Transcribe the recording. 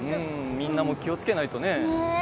みんなも気を付けないとね。